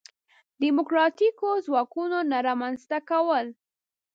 دیموکراتیکو ځواکونو نه رامنځته کول.